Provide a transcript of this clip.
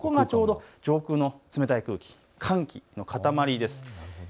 ここがちょうど上空の冷たい空気、寒気のかたまりです。